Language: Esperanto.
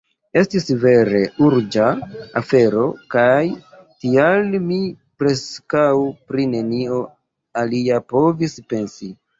Estis vere urĝa afero, kaj tial mi preskaŭ pri nenio alia povis pensi.